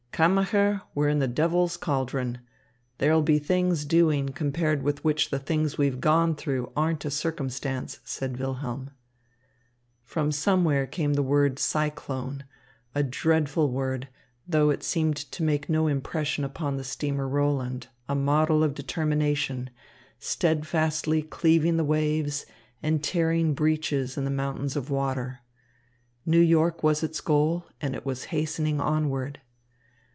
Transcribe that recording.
"Kammacher, we're in the devil's cauldron. There'll be things doing compared with which the things we've gone through aren't a circumstance," said Wilhelm. From somewhere came the word, "Cyclone," a dreadful word, though it seemed to make no impression upon the steamer Roland, a model of determination, steadfastly cleaving the waves and tearing breaches in the mountains of water. New York was its goal, and it was hastening onward.